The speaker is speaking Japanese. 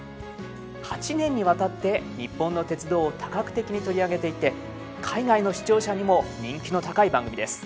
８年にわたって日本の鉄道を多角的に取り上げていて海外の視聴者にも人気の高い番組です。